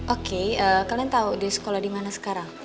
oke kalian tau dia sekolah dimana sekarang